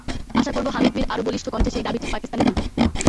আশা করব, হামিদ মির আরও বলিষ্ঠ কণ্ঠে সেই দাবিটি পাকিস্তানে তুলবেন।